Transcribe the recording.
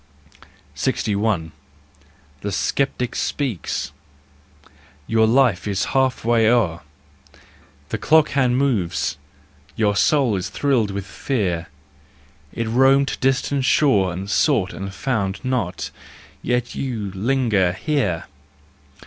28 THE JOYFUL WISDOM 61. The Sceptic Speaks . Your life is half way o'er; The clock hand moves; your soul is thrilled with fear, It roamed to distant shore And sought and found not, yet you—linger here!